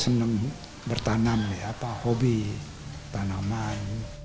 saya itu senang bertanam ya hobi tanaman